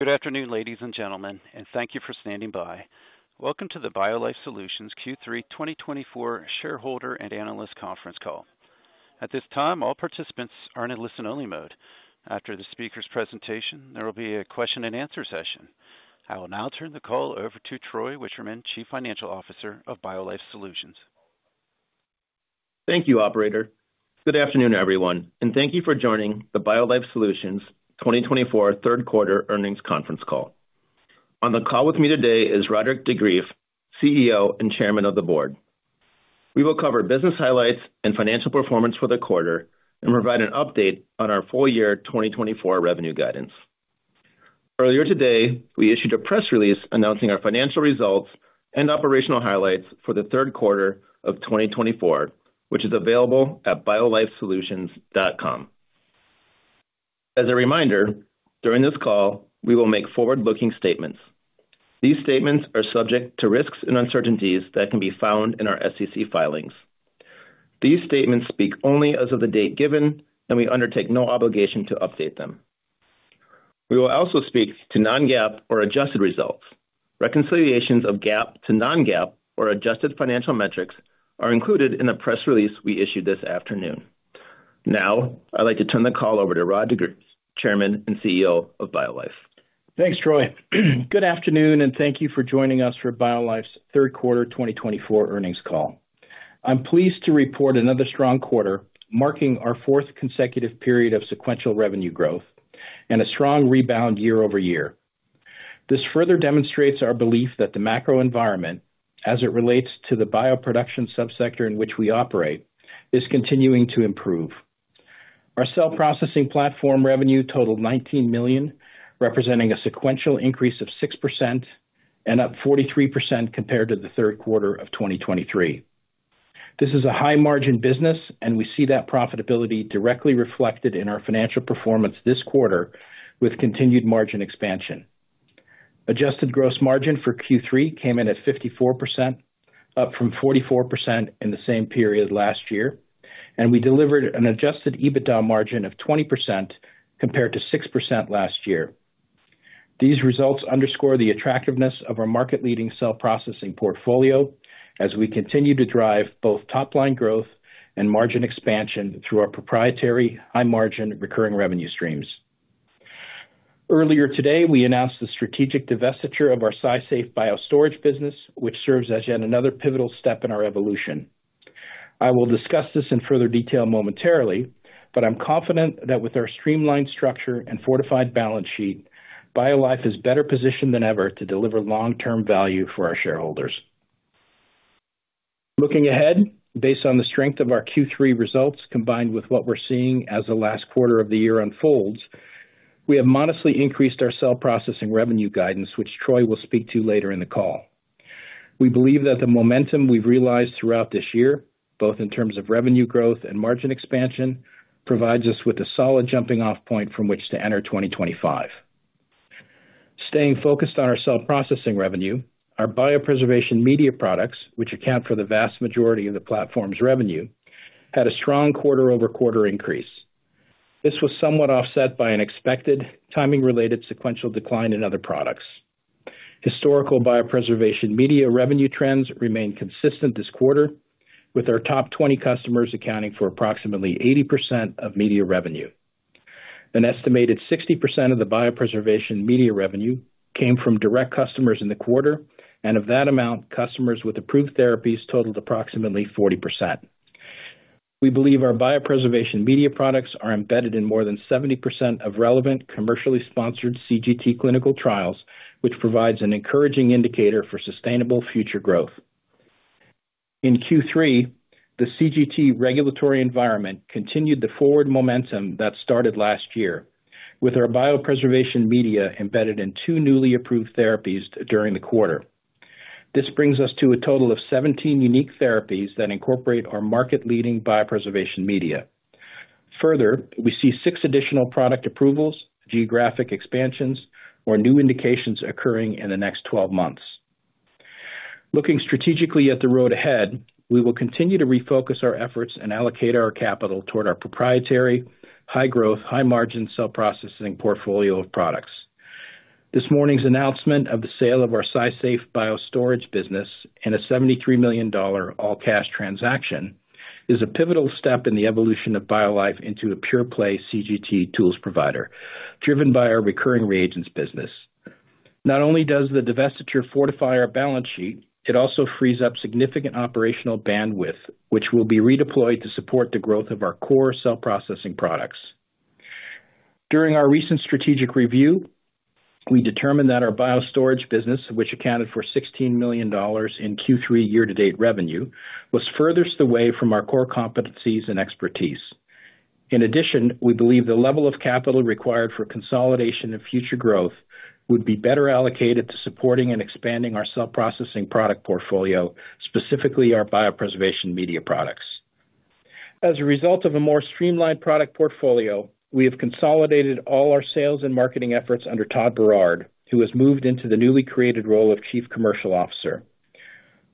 Good afternoon, ladies and gentlemen, and thank you for standing by. Welcome to the BioLife Solutions Q3 2024 Shareholder and Analyst Conference Call. At this time, all participants are in a listen-only mode. After the speaker's presentation, there will be a question-and-answer session. I will now turn the call over to Troy Wichterman, Chief Financial Officer of BioLife Solutions. Thank you, Operator. Good afternoon, everyone, and thank you for joining the BioLife Solutions 2024 Third Quarter Earnings Conference Call. On the call with me today is Roderick de Greef, CEO and Chairman of the Board. We will cover business highlights and financial performance for the quarter and provide an update on our full-year 2024 revenue guidance. Earlier today, we issued a press release announcing our financial results and operational highlights for the third quarter of 2024, which is available at BioLifeSolutions.com. As a reminder, during this call, we will make forward-looking statements. These statements are subject to risks and uncertainties that can be found in our SEC filings. These statements speak only as of the date given, and we undertake no obligation to update them. We will also speak to non-GAAP or adjusted results. Reconciliations of GAAP to non-GAAP or adjusted financial metrics are included in the press release we issued this afternoon. Now, I'd like to turn the call over to Rod de Greef, Chairman and CEO of BioLife. Thanks, Troy. Good afternoon, and thank you for joining us for BioLife's Third Quarter 2024 Earnings Call. I'm pleased to report another strong quarter marking our fourth consecutive period of sequential revenue growth and a strong rebound year-over-year. This further demonstrates our belief that the macro environment, as it relates to the bioproduction subsector in which we operate, is continuing to improve. Our cell processing platform revenue totaled $19 million, representing a sequential increase of 6% and up 43% compared to the third quarter of 2023. This is a high-margin business, and we see that profitability directly reflected in our financial performance this quarter with continued margin expansion. Adjusted gross margin for Q3 came in at 54%, up from 44% in the same period last year, and we delivered an adjusted EBITDA margin of 20% compared to 6% last year. These results underscore the attractiveness of our market-leading cell processing portfolio as we continue to drive both top-line growth and margin expansion through our proprietary high-margin recurring revenue streams. Earlier today, we announced the strategic divestiture of our SciSafe biostorage business, which serves as yet another pivotal step in our evolution. I will discuss this in further detail momentarily, but I'm confident that with our streamlined structure and fortified balance sheet, BioLife is better positioned than ever to deliver long-term value for our shareholders. Looking ahead, based on the strength of our Q3 results combined with what we're seeing as the last quarter of the year unfolds, we have modestly increased our cell processing revenue guidance, which Troy will speak to later in the call. We believe that the momentum we've realized throughout this year, both in terms of revenue growth and margin expansion, provides us with a solid jumping-off point from which to enter 2025. Staying focused on our cell processing revenue, our biopreservation media products, which account for the vast majority of the platform's revenue, had a strong quarter-over-quarter increase. This was somewhat offset by an expected timing-related sequential decline in other products. Historical biopreservation media revenue trends remained consistent this quarter, with our top 20 customers accounting for approximately 80% of media revenue. An estimated 60% of the biopreservation media revenue came from direct customers in the quarter, and of that amount, customers with approved therapies totaled approximately 40%. We believe our biopreservation media products are embedded in more than 70% of relevant commercially sponsored CGT clinical trials, which provides an encouraging indicator for sustainable future growth. In Q3, the CGT regulatory environment continued the forward momentum that started last year, with our biopreservation media embedded in two newly approved therapies during the quarter. This brings us to a total of 17 unique therapies that incorporate our market-leading biopreservation media. Further, we see six additional product approvals, geographic expansions, or new indications occurring in the next 12 months. Looking strategically at the road ahead, we will continue to refocus our efforts and allocate our capital toward our proprietary high-growth, high-margin cell processing portfolio of products. This morning's announcement of the sale of our SciSafe biostorage business and a $73 million all-cash transaction is a pivotal step in the evolution of BioLife into a pure-play CGT tools provider, driven by our recurring reagents business. Not only does the divestiture fortify our balance sheet, it also frees up significant operational bandwidth, which will be redeployed to support the growth of our core cell processing products. During our recent strategic review, we determined that our biostorage business, which accounted for $16 million in Q3 year-to-date revenue, was furthest away from our core competencies and expertise. In addition, we believe the level of capital required for consolidation and future growth would be better allocated to supporting and expanding our cell processing product portfolio, specifically our biopreservation media products. As a result of a more streamlined product portfolio, we have consolidated all our sales and marketing efforts under Todd Berard, who has moved into the newly created role of Chief Commercial Officer.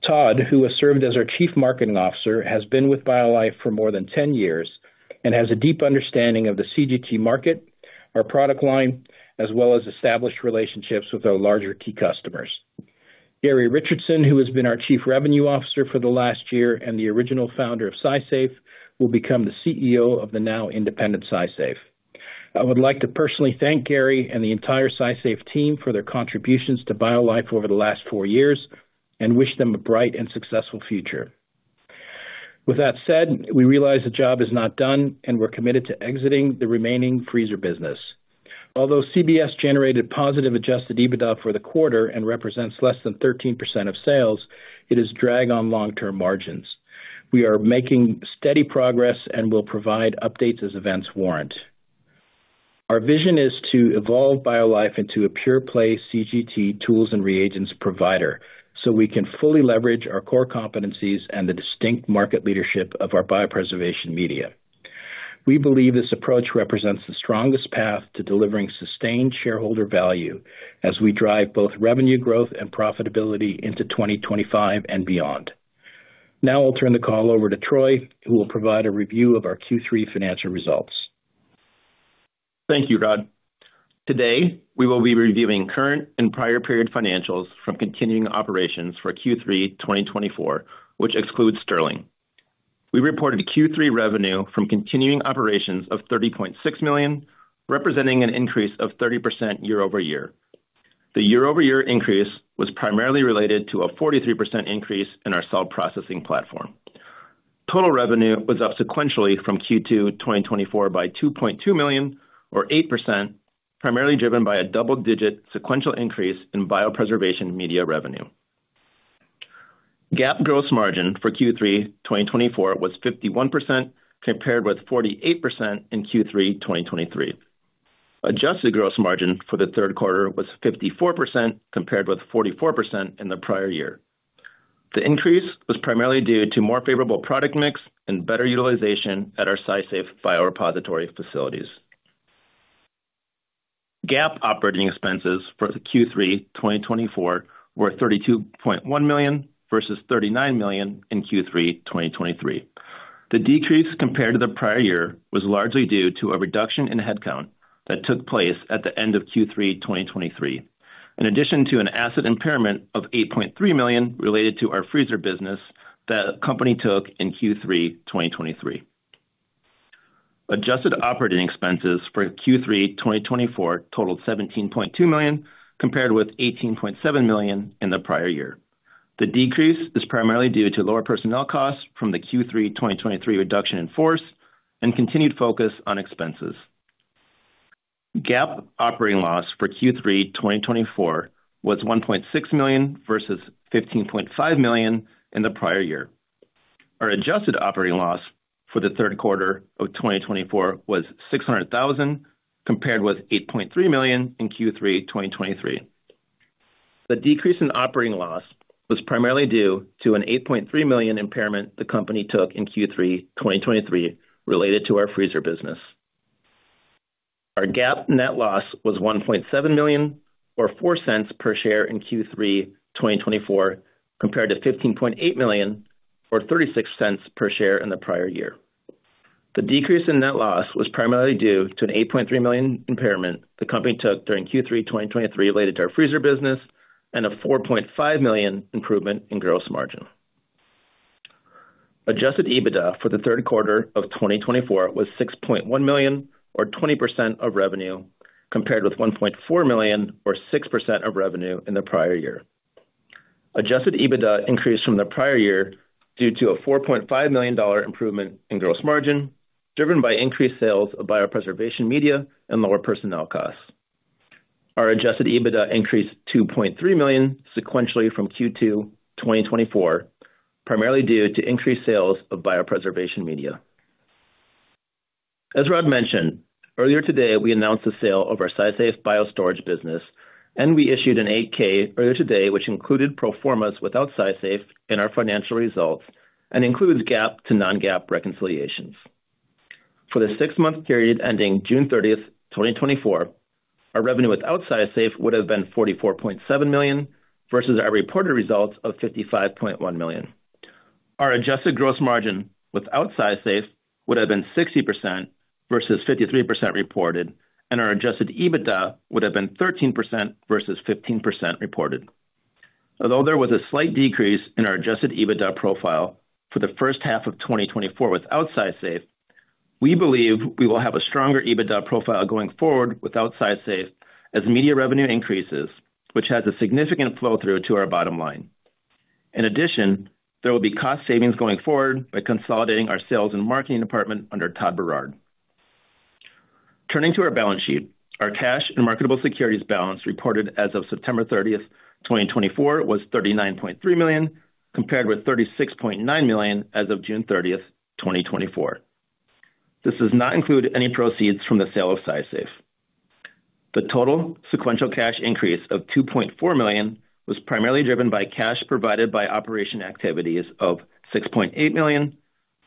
Todd, who has served as our Chief Marketing Officer, has been with BioLife for more than 10 years and has a deep understanding of the CGT market, our product line, as well as established relationships with our larger key customers. Gary Richardson, who has been our Chief Revenue Officer for the last year and the original founder of SciSafe, will become the CEO of the now independent SciSafe. I would like to personally thank Gary and the entire SciSafe team for their contributions to BioLife over the last four years and wish them a bright and successful future. With that said, we realize the job is not done, and we're committed to exiting the remaining freezer business. Although CBS generated positive Adjusted EBITDA for the quarter and represents less than 13% of sales, it is a drag on long-term margins. We are making steady progress and will provide updates as events warrant. Our vision is to evolve BioLife into a pure-play CGT tools and reagents provider so we can fully leverage our core competencies and the distinct market leadership of our biopreservation media. We believe this approach represents the strongest path to delivering sustained shareholder value as we drive both revenue growth and profitability into 2025 and beyond. Now I'll turn the call over to Troy, who will provide a review of our Q3 financial results. Thank you, Rod. Today, we will be reviewing current and prior-period financials from continuing operations for Q3 2024, which excludes Stirling. We reported Q3 revenue from continuing operations of $30.6 million, representing an increase of 30% year-over-year. The year-over-year increase was primarily related to a 43% increase in our cell processing platform. Total revenue was up sequentially from Q2 2024 by $2.2 million, or 8%, primarily driven by a double-digit sequential increase in biopreservation media revenue. GAAP gross margin for Q3 2024 was 51%, compared with 48% in Q3 2023. Adjusted gross margin for the third quarter was 54%, compared with 44% in the prior year. The increase was primarily due to more favorable product mix and better utilization at our SciSafe biorepository facilities. GAAP operating expenses for Q3 2024 were $32.1 million versus $39 million in Q3 2023. The decrease compared to the prior year was largely due to a reduction in headcount that took place at the end of Q3 2023, in addition to an asset impairment of $8.3 million related to our freezer business that the company took in Q3 2023. Adjusted operating expenses for Q3 2024 totaled $17.2 million, compared with $18.7 million in the prior year. The decrease is primarily due to lower personnel costs from the Q3 2023 reduction in force and continued focus on expenses. GAAP operating loss for Q3 2024 was $1.6 million versus $15.5 million in the prior year. Our adjusted operating loss for the third quarter of 2024 was $600,000, compared with $8.3 million in Q3 2023. The decrease in operating loss was primarily due to an $8.3 million impairment the company took in Q3 2023 related to our freezer business. Our GAAP net loss was $1.7 million, or $0.04 per share in Q3 2024, compared to $15.8 million, or $0.36 per share in the prior year. The decrease in net loss was primarily due to an $8.3 million impairment the company took during Q3 2023 related to our freezer business and a $4.5 million improvement in gross margin. Adjusted EBITDA for the third quarter of 2024 was $6.1 million, or 20% of revenue, compared with $1.4 million, or 6% of revenue in the prior year. Adjusted EBITDA increased from the prior year due to a $4.5 million improvement in gross margin, driven by increased sales of biopreservation media and lower personnel costs. Our adjusted EBITDA increased $2.3 million sequentially from Q2 2024, primarily due to increased sales of biopreservation media. As Rod mentioned, earlier today, we announced the sale of our SciSafe biostorage business, and we issued an 8-K earlier today, which included pro formas without SciSafe in our financial results and includes GAAP to non-GAAP reconciliations. For the six-month period ending June 30, 2024, our revenue without SciSafe would have been $44.7 million versus our reported results of $55.1 million. Our adjusted gross margin without SciSafe would have been 60% versus 53% reported, and our adjusted EBITDA would have been 13% versus 15% reported. Although there was a slight decrease in our adjusted EBITDA profile for the first half of 2024 without SciSafe, we believe we will have a stronger EBITDA profile going forward without SciSafe as media revenue increases, which has a significant flow-through to our bottom line. In addition, there will be cost savings going forward by consolidating our sales and marketing department under Todd Berard. Turning to our balance sheet, our cash and marketable securities balance reported as of September 30, 2024, was $39.3 million, compared with $36.9 million as of June 30, 2024. This does not include any proceeds from the sale of SciSafe. The total sequential cash increase of $2.4 million was primarily driven by cash provided by operating activities of $6.8 million,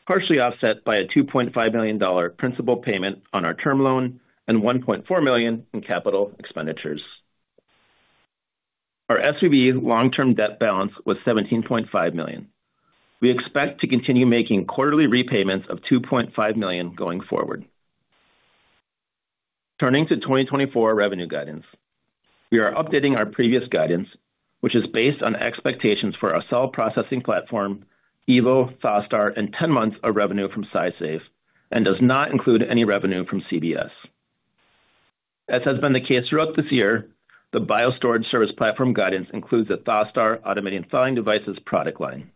partially offset by a $2.5 million principal payment on our term loan and $1.4 million in capital expenditures. Our SVB long-term debt balance was $17.5 million. We expect to continue making quarterly repayments of $2.5 million going forward. Turning to 2024 revenue guidance, we are updating our previous guidance, which is based on expectations for our cell processing platform, EVO, ThawSTAR, and 10 months of revenue from SciSafe, and does not include any revenue from CBS. As has been the case throughout this year, the biostorage service platform guidance includes the ThawSTAR automated thawing devices product line.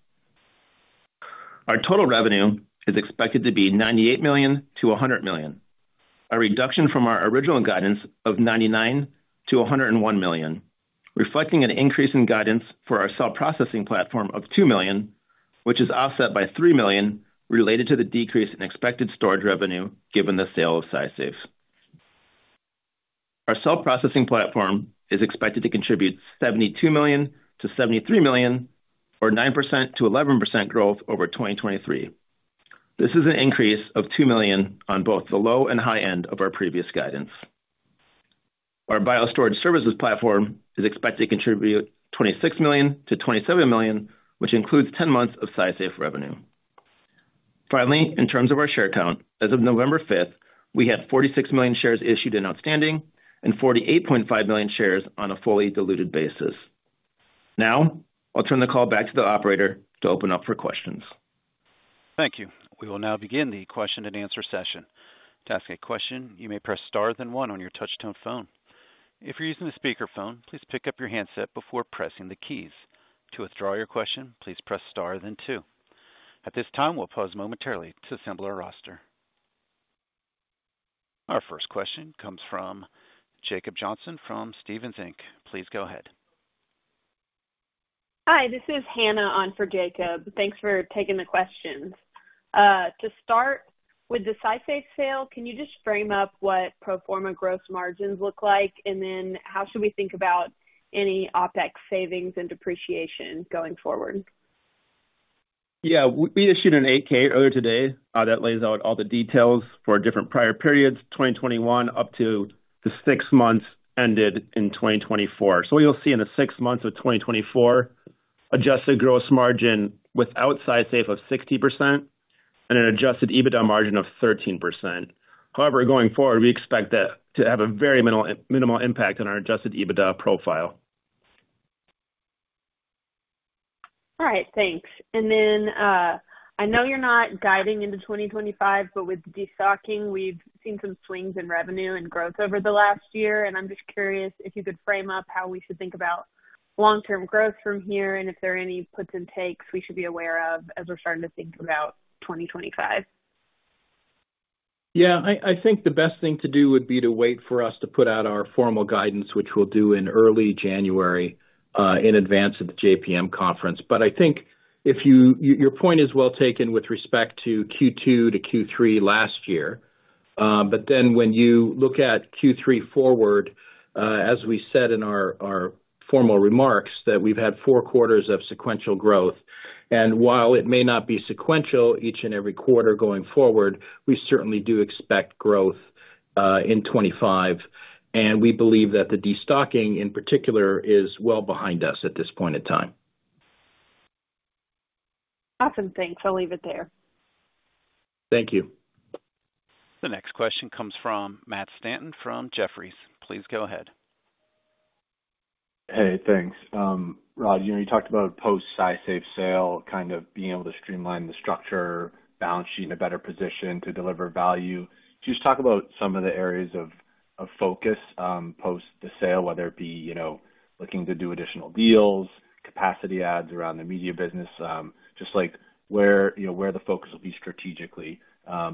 Our total revenue is expected to be $98 million-$100 million, a reduction from our original guidance of $99 million-$101 million, reflecting an increase in guidance for our cell processing platform of $2 million, which is offset by $3 million related to the decrease in expected storage revenue given the sale of SciSafe. Our cell processing platform is expected to contribute $72 million-$73 million, or 9%-11% growth over 2023. This is an increase of $2 million on both the low and high end of our previous guidance. Our biostorage services platform is expected to contribute $26 million-$27 million, which includes 10 months of SciSafe revenue. Finally, in terms of our share count, as of November 5, we had 46 million shares issued and outstanding and 48.5 million shares on a fully diluted basis. Now I'll turn the call back to the operator to open up for questions. Thank you. We will now begin the question-and-answer session. To ask a question, you may press star then one on your touch-tone phone. If you're using a speakerphone, please pick up your handset before pressing the keys. To withdraw your question, please press star then two. At this time, we'll pause momentarily to assemble our roster. Our first question comes from Jacob Johnson from Stephens Inc. Please go ahead. Hi, this is Hannah on for Jacob. Thanks for taking the questions. To start with the SciSafe sale, can you just frame up what pro forma gross margins look like, and then how should we think about any OPEX savings and depreciation going forward? Yeah, we issued an 8-K earlier today that lays out all the details for different prior periods, 2021 up to the six months ended in 2024. So what you'll see in the six months of 2024, adjusted gross margin without SciSafe of 60% and an adjusted EBITDA margin of 13%. However, going forward, we expect that to have a very minimal impact on our adjusted EBITDA profile. All right, thanks. And then I know you're not diving into 2025, but with the de-stocking, we've seen some swings in revenue and growth over the last year. And I'm just curious if you could frame up how we should think about long-term growth from here and if there are any puts and takes we should be aware of as we're starting to think about 2025? Yeah, I think the best thing to do would be to wait for us to put out our formal guidance, which we'll do in early January in advance of the JPM conference. But I think your point is well taken with respect to Q2 to Q3 last year. But then when you look at Q3 forward, as we said in our formal remarks, that we've had four quarters of sequential growth. And while it may not be sequential each and every quarter going forward, we certainly do expect growth in 2025. And we believe that the de-stocking, in particular, is well behind us at this point in time. Awesome, thanks. I'll leave it there. Thank you. The next question comes from Matt Stanton from Jefferies. Please go ahead. Hey, thanks. Rod, you talked about post-SciSafe sale, kind of being able to streamline the structure, balance sheet in a better position to deliver value. Could you just talk about some of the areas of focus post the sale, whether it be looking to do additional deals, capacity adds around the media business, just like where the focus will be strategically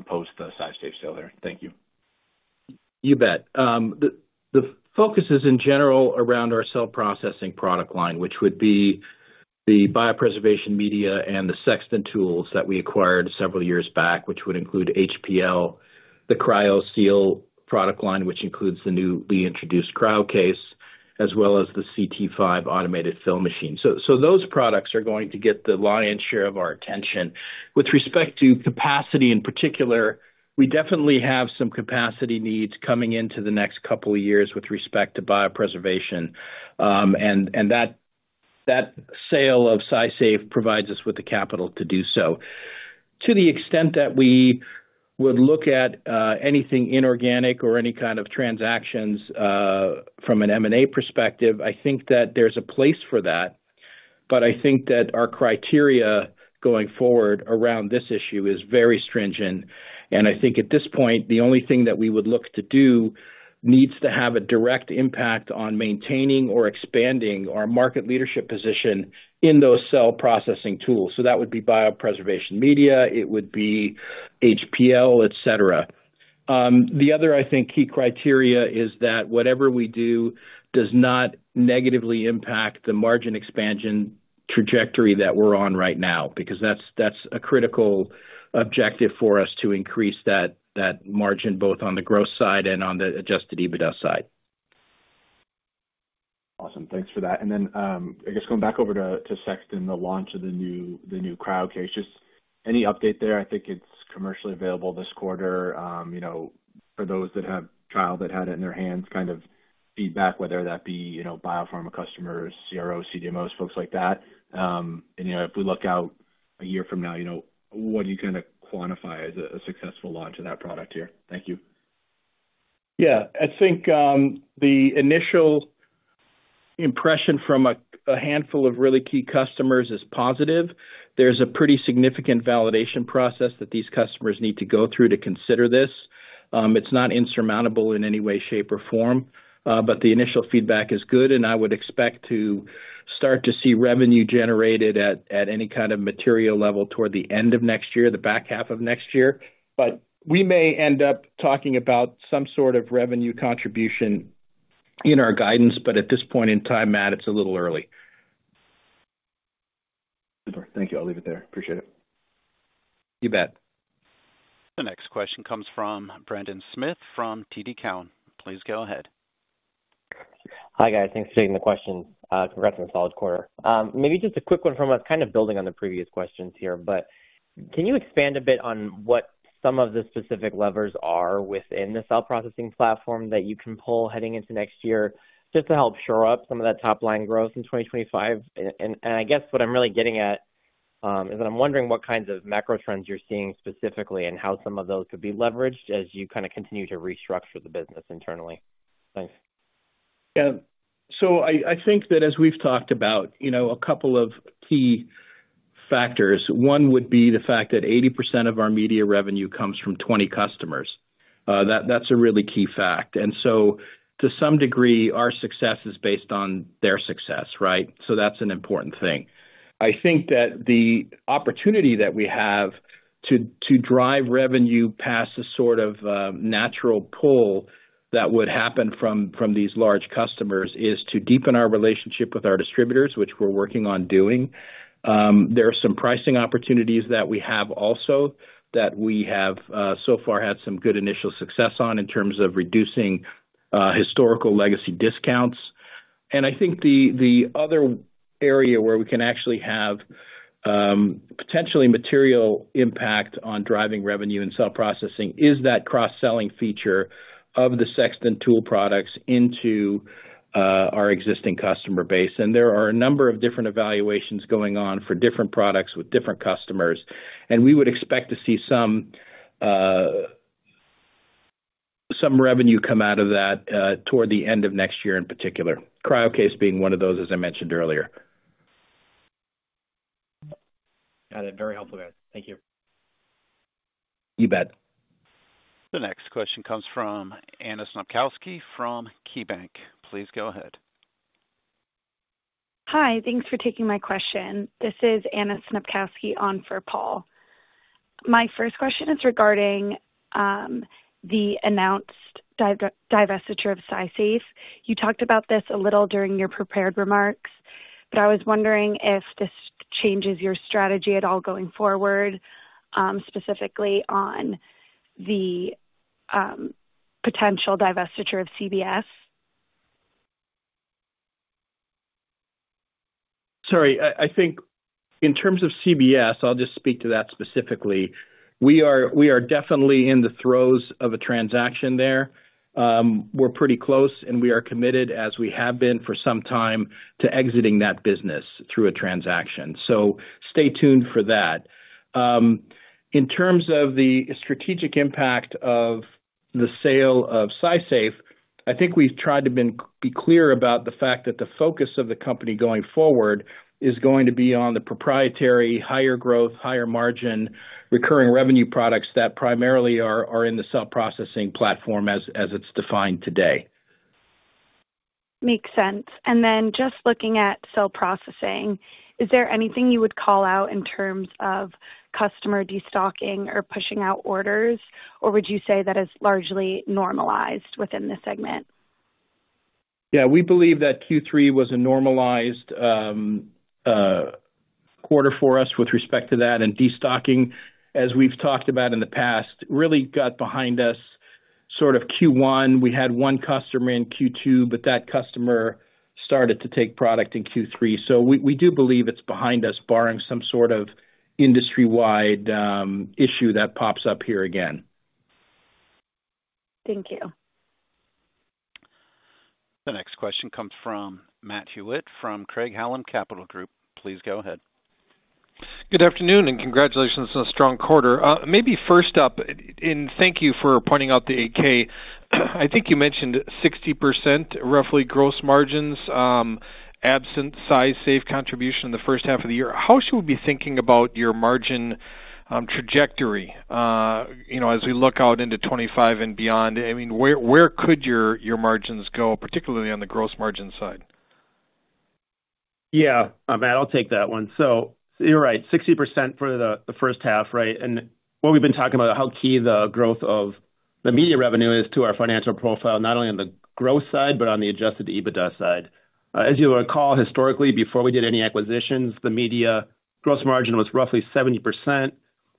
post the SciSafe sale there? Thank you. You bet. The focus is, in general, around our cell processing product line, which would be the biopreservation media and the Sexton tools that we acquired several years back, which would include HPL, the CryoSeal product line, which includes the newly introduced CryoCase, as well as the CT-5 automated fill machine, so those products are going to get the lion's share of our attention. With respect to capacity, in particular, we definitely have some capacity needs coming into the next couple of years with respect to biopreservation, and that sale of SciSafe provides us with the capital to do so. To the extent that we would look at anything inorganic or any kind of transactions from an M&A perspective, I think that there's a place for that, but I think that our criteria going forward around this issue is very stringent. And I think at this point, the only thing that we would look to do needs to have a direct impact on maintaining or expanding our market leadership position in those cell processing tools. So that would be biopreservation media, it would be HPL, etc. The other, I think, key criteria is that whatever we do does not negatively impact the margin expansion trajectory that we're on right now, because that's a critical objective for us to increase that margin both on the gross side and on the Adjusted EBITDA side. Awesome. Thanks for that. And then I guess going back over to Sexton, the launch of the new CryoCase, just any update there? I think it's commercially available this quarter. For those that have trialed it, had it in their hands, kind of feedback, whether that be biopharma customers, CROs, CDMOs, folks like that. And if we look out a year from now, what do you kind of quantify as a successful launch of that product here? Thank you. Yeah, I think the initial impression from a handful of really key customers is positive. There's a pretty significant validation process that these customers need to go through to consider this. It's not insurmountable in any way, shape, or form, but the initial feedback is good, and I would expect to start to see revenue generated at any kind of material level toward the end of next year, the back half of next year, but we may end up talking about some sort of revenue contribution in our guidance, but at this point in time, Matt, it's a little early. Super. Thank you. I'll leave it there. Appreciate it. You bet. The next question comes from Brendan Smith from TD Cowen. Please go ahead. Hi guys. Thanks for taking the question. Congrats on the solid quarter. Maybe just a quick one from us, kind of building on the previous questions here, but can you expand a bit on what some of the specific levers are within the cell processing platform that you can pull heading into next year just to help shore up some of that top-line growth in 2025, and I guess what I'm really getting at is that I'm wondering what kinds of macro trends you're seeing specifically and how some of those could be leveraged as you kind of continue to restructure the business internally. Thanks. Yeah. So I think that as we've talked about, a couple of key factors. One would be the fact that 80% of our media revenue comes from 20 customers. That's a really key fact. And so to some degree, our success is based on their success, right? So that's an important thing. I think that the opportunity that we have to drive revenue past a sort of natural pull that would happen from these large customers is to deepen our relationship with our distributors, which we're working on doing. There are some pricing opportunities that we have also that we have so far had some good initial success on in terms of reducing historical legacy discounts. And I think the other area where we can actually have potentially material impact on driving revenue in cell processing is that cross-selling feature of the Sexton tool products into our existing customer base. And there are a number of different evaluations going on for different products with different customers. And we would expect to see some revenue come out of that toward the end of next year in particular, CryoCase being one of those, as I mentioned earlier. Got it. Very helpful, guys. Thank you. You bet. The next question comes from Anna Snopkowski from KeyBanc. Please go ahead. Hi, thanks for taking my question. This is Anna Snopkowski on for Paul. My first question is regarding the announced divestiture of SciSafe. You talked about this a little during your prepared remarks, but I was wondering if this changes your strategy at all going forward, specifically on the potential divestiture of CBS? Sorry, I think in terms of CBS, I'll just speak to that specifically. We are definitely in the throes of a transaction there. We're pretty close, and we are committed, as we have been for some time, to exiting that business through a transaction. So stay tuned for that. In terms of the strategic impact of the sale of SciSafe, I think we've tried to be clear about the fact that the focus of the company going forward is going to be on the proprietary, higher growth, higher margin, recurring revenue products that primarily are in the cell processing platform as it's defined today. Makes sense. And then just looking at cell processing, is there anything you would call out in terms of customer de-stocking or pushing out orders, or would you say that is largely normalized within the segment? Yeah, we believe that Q3 was a normalized quarter for us with respect to that, and de-stocking, as we've talked about in the past, really got behind us. Sort of Q1, we had one customer in Q2, but that customer started to take product in Q3, so we do believe it's behind us, barring some sort of industry-wide issue that pops up here again. Thank you. The next question comes from Matt Hewitt from Craig-Hallum Capital Group. Please go ahead. Good afternoon and congratulations on a strong quarter. Maybe first up, and thank you for pointing out the 8-K. I think you mentioned 60% roughly gross margins absent SciSafe contribution in the first half of the year. How should we be thinking about your margin trajectory as we look out into 2025 and beyond? I mean, where could your margins go, particularly on the gross margin side? Yeah, Matt, I'll take that one. So you're right, 60% for the first half, right? And what we've been talking about, how key the growth of the media revenue is to our financial profile, not only on the gross side, but on the Adjusted EBITDA side. As you'll recall, historically, before we did any acquisitions, the media gross margin was roughly 70%.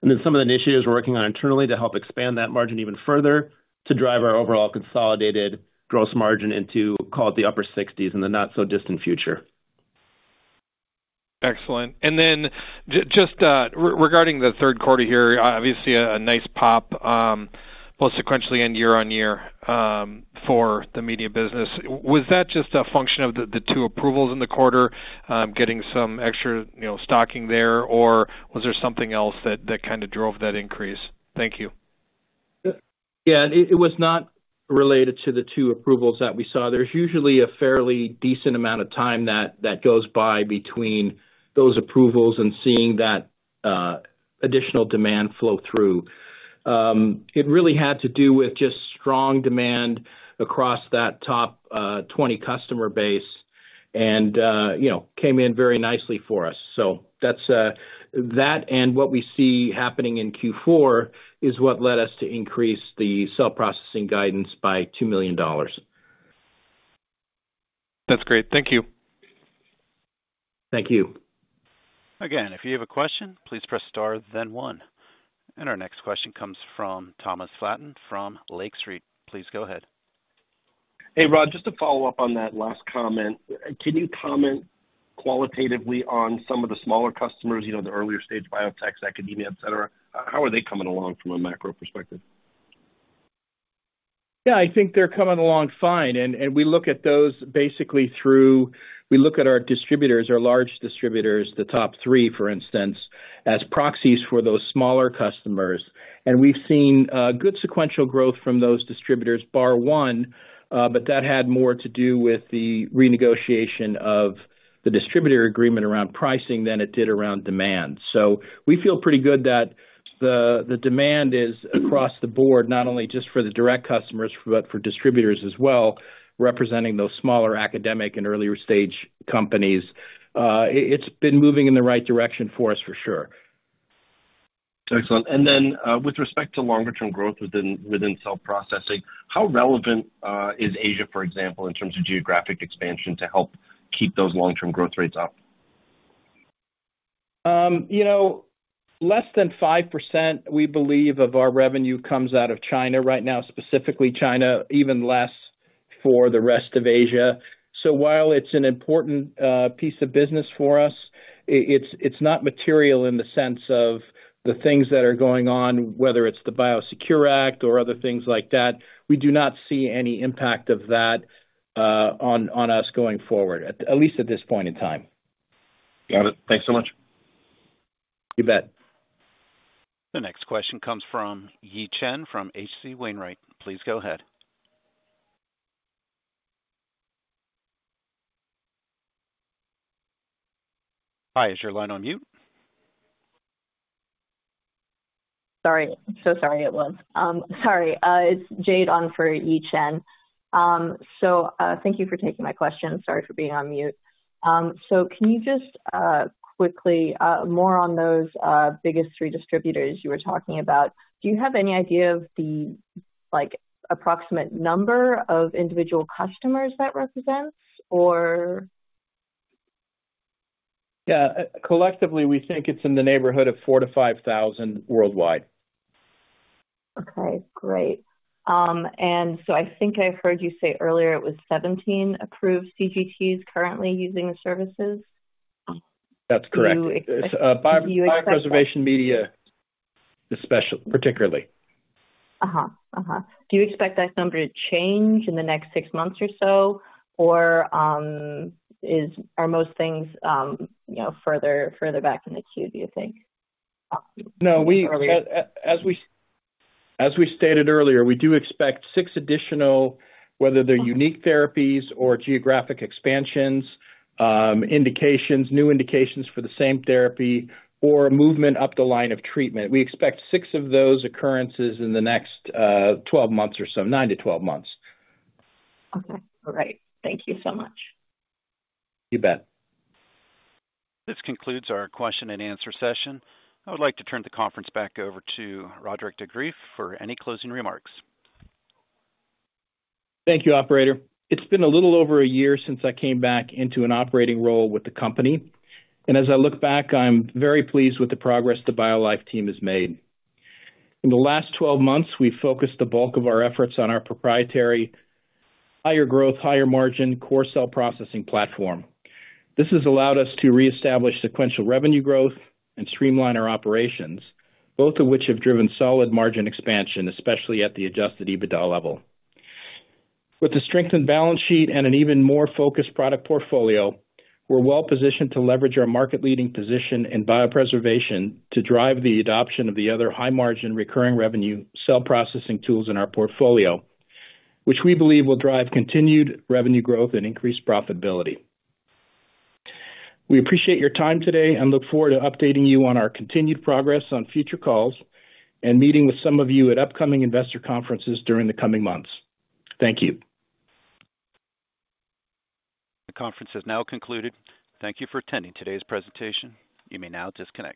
And then some of the initiatives we're working on internally to help expand that margin even further to drive our overall consolidated gross margin into call it the upper 60s% in the not-so-distant future. Excellent. And then just regarding the third quarter here, obviously a nice pop, both sequentially and year-on-year for the media business. Was that just a function of the two approvals in the quarter, getting some extra stocking there, or was there something else that kind of drove that increase? Thank you. Yeah, it was not related to the two approvals that we saw. There's usually a fairly decent amount of time that goes by between those approvals and seeing that additional demand flow through. It really had to do with just strong demand across that top 20 customer base and came in very nicely for us. So that and what we see happening in Q4 is what led us to increase the cell processing guidance by $2 million. That's great. Thank you. Thank you. Again, if you have a question, please press star, then one. And our next question comes from Thomas Flaten from Lake Street. Please go ahead. Hey, Rod, just to follow up on that last comment, can you comment qualitatively on some of the smaller customers, the earlier stage biotech, academia, etc.? How are they coming along from a macro perspective? Yeah, I think they're coming along fine. And we look at those basically through our distributors, our large distributors, the top three, for instance, as proxies for those smaller customers. And we've seen good sequential growth from those distributors, bar one, but that had more to do with the renegotiation of the distributor agreement around pricing than it did around demand. So we feel pretty good that the demand is across the board, not only just for the direct customers, but for distributors as well, representing those smaller academic and earlier stage companies. It's been moving in the right direction for us, for sure. Excellent. And then with respect to longer-term growth within cell processing, how relevant is Asia, for example, in terms of geographic expansion to help keep those long-term growth rates up? Less than 5%, we believe, of our revenue comes out of China right now, specifically China, even less for the rest of Asia. So while it's an important piece of business for us, it's not material in the sense of the things that are going on, whether it's the Biosecure Act or other things like that. We do not see any impact of that on us going forward, at least at this point in time. Got it. Thanks so much. You bet. The next question comes from Yi Chen from H.C. Wainwright. Please go ahead. Hi, is your line on mute? Sorry. It's Jade on for Yi Chen. So thank you for taking my question. Sorry for being on mute. So can you just quickly more on those biggest three distributors you were talking about? Do you have any idea of the approximate number of individual customers that represents, or? Yeah. Collectively, we think it's in the neighborhood of 4,000-5,000 worldwide. Okay. Great. And so I think I heard you say earlier it was 17 approved CGTs currently using the services? That's correct. It's biopreservation media, particularly. Do you expect that number to change in the next six months or so, or are most things further back in the queue, do you think? No, as we stated earlier, we do expect six additional, whether they're unique therapies or geographic expansions, new indications for the same therapy, or movement up the line of treatment. We expect six of those occurrences in the next 12 months or so, 9 to 12 months. Okay. All right. Thank you so much. You bet. This concludes our question and answer session. I would like to turn the conference back over to Roderick de Greef for any closing remarks. Thank you, Operator. It's been a little over a year since I came back into an operating role with the company. And as I look back, I'm very pleased with the progress the BioLife team has made. In the last 12 months, we've focused the bulk of our efforts on our proprietary higher growth, higher margin, core cell processing platform. This has allowed us to reestablish sequential revenue growth and streamline our operations, both of which have driven solid margin expansion, especially at the Adjusted EBITDA level. With the strengthened balance sheet and an even more focused product portfolio, we're well positioned to leverage our market-leading position in biopreservation to drive the adoption of the other high-margin recurring revenue cell processing tools in our portfolio, which we believe will drive continued revenue growth and increased profitability. We appreciate your time today and look forward to updating you on our continued progress on future calls and meeting with some of you at upcoming investor conferences during the coming months. Thank you. The conference has now concluded. Thank you for attending today's presentation. You may now disconnect.